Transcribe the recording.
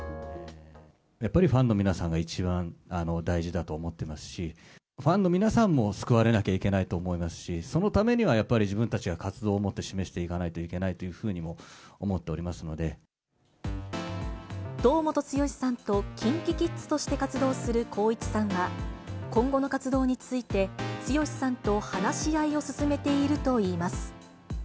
やっぱりファンの皆さんが一番大事だと思っていますし、ファンの皆さんも救われなきゃいけないと思いますし、そのためにはやっぱり、自分たちが活動をもって示していかなきゃいけないというふうにも堂本剛さんとＫｉｎＫｉＫｉｄｓとして活動する光一さんは、今後の活動について、剛さんと話し合いを進めているといいます。